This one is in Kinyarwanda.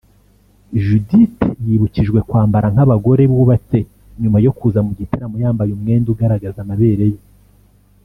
Judith yibukijwe kwambara nk’abagore bubatse nyuma yo kuza mu gitaramo yambaye umwenda ugaragaza amabere ye